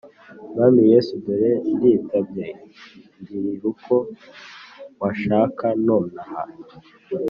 Mwami Yesu, dore, nditabye! Ngirir' uko washaka nonaha.